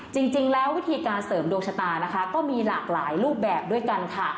จริงแล้ววิธีการเสริมดวงชะตานะคะก็มีหลากหลายรูปแบบด้วยกันค่ะ